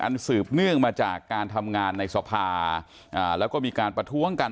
สืบเนื่องมาจากการทำงานในสภาแล้วก็มีการประท้วงกัน